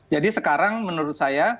jadi sekarang menurut saya